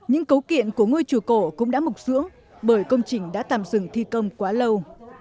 những cấu kiện của ngôi chùa cổ cũng đã mục dưỡng bởi công trình đã tạm dừng thi công quá lâu